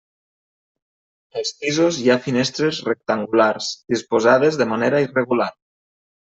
Als pisos hi ha finestres rectangulars, disposades de manera irregular.